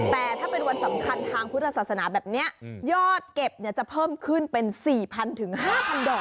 แต่ถ้าเป็นวันสำคัญทางพุทธศาสนาแบบเนี้ยยอดเก็บเนี้ยจะเพิ่มขึ้นเป็นสี่พันถึงห้าพันดอก